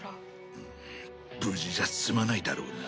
無事じゃ済まないだろうな。